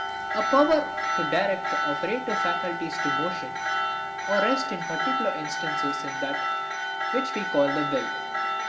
A power to direct the operative faculties to motion or rest in particular instances is that which we call the WILL.